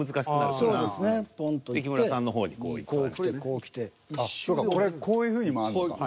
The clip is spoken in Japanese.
そうかこれこういうふうに回るのか。